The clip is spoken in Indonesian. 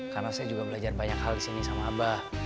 karena saya juga belajar banyak hal di sini sama abah